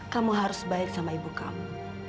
kamu harus baik sama ibu kamu